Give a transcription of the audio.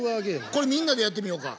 これみんなでやってみようか。